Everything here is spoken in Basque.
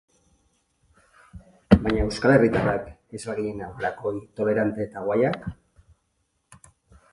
Baina euskal herritarrak ez al ginen aurrerakoi, tolerante eta guayak?